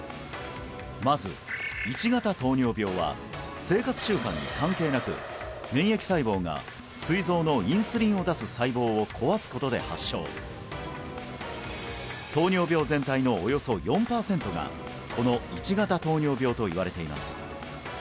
まず１型糖尿病は生活習慣に関係なく免疫細胞がすい臓のインスリンを出す細胞を壊すことで発症がこの１型糖尿病といわれています